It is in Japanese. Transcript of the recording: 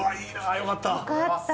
よかった。